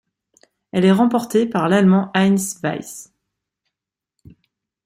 Elle est remportée par l'Allemand Heinz Weis.